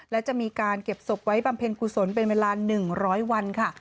และจะมีการเก็บศพไว้บำเพ็ญกุศลเป็นเวลา๑๐๐วันค่ะ